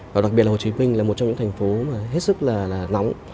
và đặc biệt là hồ chí minh là một trong những thành phố hết sức là nóng